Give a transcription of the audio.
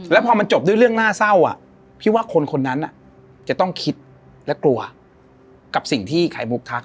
แล้วพอมันจบด้วยเรื่องน่าเศร้าพี่ว่าคนคนนั้นจะต้องคิดและกลัวกับสิ่งที่ไข่มุกทัก